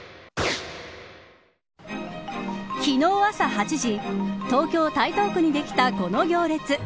昨日朝８時東京、台東区にできたこの行列。